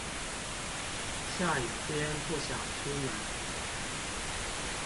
下雨天不想出門？